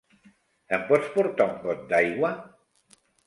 Em pots portar un got d'aigua?